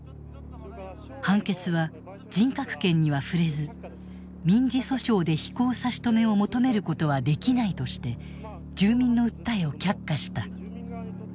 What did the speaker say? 判決は人格権には触れず民事訴訟で飛行差し止めを求めることはできないとして住民の訴えを却下した。